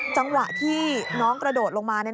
จังหวะที่น้องกระโดดลงมา